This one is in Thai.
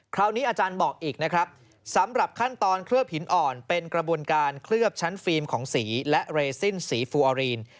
อาจารย์บอกอีกนะครับสำหรับขั้นตอนเคลือบหินอ่อนเป็นกระบวนการเคลือบชั้นฟิล์มของสีและเรซินสีฟูออรีน